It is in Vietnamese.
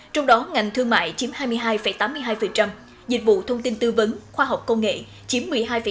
trong đó ngành thương mại chiếm hai mươi hai tám mươi hai dịch vụ thông tin tư vấn khoa học công nghệ chiếm một mươi hai năm